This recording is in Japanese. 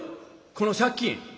この借金。